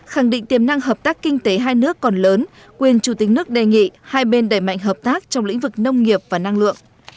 khẳng định tiềm năng hợp tác kinh tế hai nước còn lớn quyền chủ tịch nước đề nghị hai bên đẩy mạnh hợp tác trong lĩnh vực nông nghiệp và năng lượng